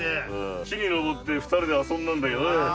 木に登って２人で遊んだんだけどね。